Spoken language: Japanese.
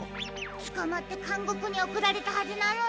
つかまってかんごくにおくられたはずなのに。